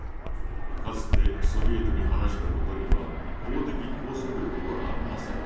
かつてソビエトに話したことには法的拘束力はありません。